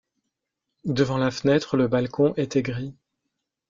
Devant la fenêtre, le balcon était gris.